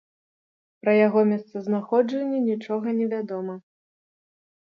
Пра яго месцазнаходжанне нічога не вядома.